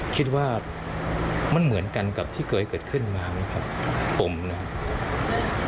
คิดว่ามันเหมือนกันกับที่เคยเกิดขึ้นมาไหมครับปมเนี่ย